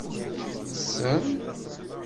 Ttessen.